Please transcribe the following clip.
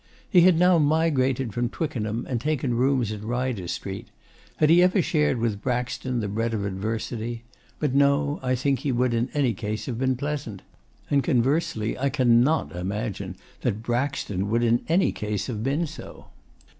He had now migrated from Twickenham and taken rooms in Ryder Street. Had he ever shared with Braxton the bread of adversity but no, I think he would in any case have been pleasant. And conversely I cannot imagine that Braxton would in any case have been so.